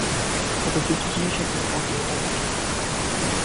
তবে কিছু জিনিস এখনো কাটিয়ে ওঠা বাকি।